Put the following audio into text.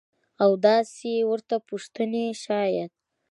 او داسې ورته پوښتنې شايد.